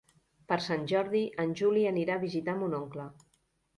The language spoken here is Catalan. Per Sant Jordi en Juli anirà a visitar mon oncle.